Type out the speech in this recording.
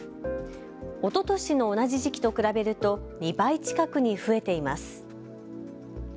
おととしの同じ時期と比べると２倍近くに増えています。